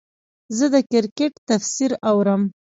زه د کرکټ تفسیر اورم.